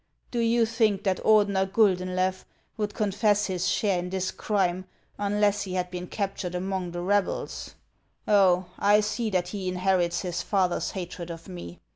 Do you think that Ordener Guldenlew would confess his share in this crime unless he had been captured among the rebels ? HANS OF ICELAND. 451 Oh, I see that he inherits his father's hatred of me